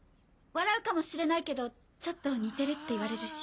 笑うかもしれないけどちょっと似てるって言われるし。